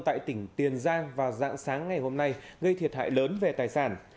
tại tỉnh tiền giang vào dạng sáng ngày hôm nay gây thiệt hại lớn về tài sản